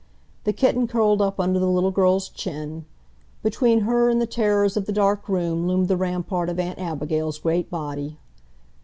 The kitten curled up under the little girl's chin. Between her and the terrors of the dark room loomed the rampart of Aunt Abigail's great body.